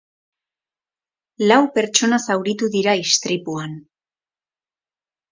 Lau pertsona zauritu dira istripuan.